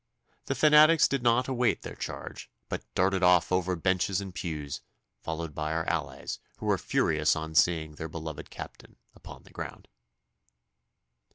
The fanatics did not await their charge, but darted off over benches and pews, followed by our allies, who were furious on seeing their beloved Captain upon the ground.